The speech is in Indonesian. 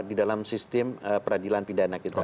di dalam sistem peradilan pidana kita